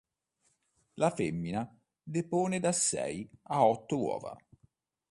La femmina depone da sei a otto uova.